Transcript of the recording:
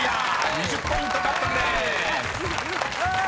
２０ポイント獲得です］